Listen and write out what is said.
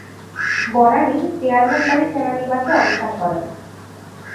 Banani chairman Bari সেনানিবাসে অবস্থান করেন।